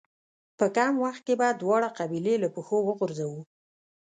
په کم وخت کې به دواړه قبيلې له پښو وغورځوو.